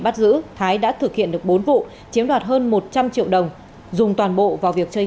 bắt giữ thái đã thực hiện được bốn vụ chiếm đoạt hơn một trăm linh triệu đồng dùng toàn bộ vào việc chơi